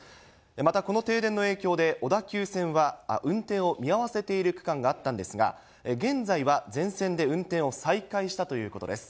またこの停電の影響で、小田急線は運転を見合わせている区間があったんですが、現在は全線で運転を再開したということです。